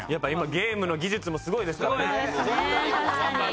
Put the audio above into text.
ゲームの技術もすごいですから。